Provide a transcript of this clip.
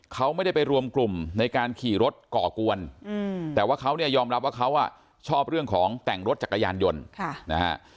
เขาไม่ได้ไปรวมกลุ่มในการขี่รถก่อกวนแต่ว่าเขาเนี่ยยอมรับว่าเขาชอบเรื่องของแต่งรถจักรยานยนต์นะฮะ